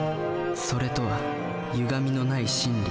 「それ」とはゆがみのない真理。